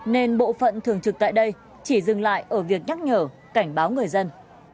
nên bộ phận thường trực tại đây chỉ dừng lại ở việc nhắc nhở cảnh báo người dân